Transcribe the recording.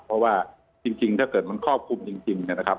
เพราะว่าจริงถ้าเกิดมันครอบคลุมจริงนะครับ